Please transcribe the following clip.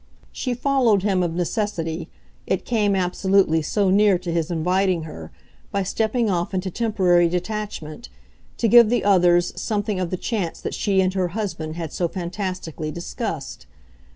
She followed him of necessity it came, absolutely, so near to his inviting her, by stepping off into temporary detachment, to give the others something of the chance that she and her husband had so fantastically discussed.